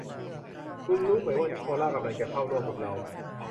คุณรู้ไหมว่านิโคล่ากำลังจะเข้าร่วมกับเรา